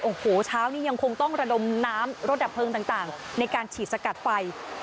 โอ้โหเช้านี้ยังคงต้องระดมน้ำรถดับเพลิงต่างในการฉีดสกัดไฟ